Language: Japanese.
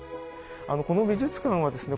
この美術館はですね